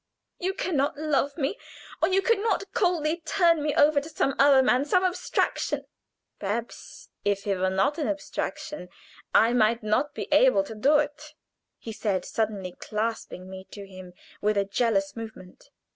You can not love me, or you could not coldly turn me over to some other man, some abstraction " "Perhaps if he were not an abstraction I might not be able to do it," he said, suddenly clasping me to him with a jealous movement.